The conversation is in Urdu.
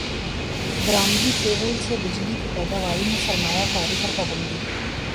درامدی فیول سے بجلی کی پیداوار میں سرمایہ کاری پر پابندی